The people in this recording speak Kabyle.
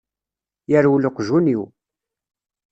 Yerwel uqjun-iw.